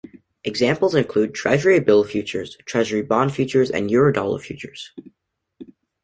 Examples include Treasury-bill futures, Treasury-bond futures and Eurodollar futures.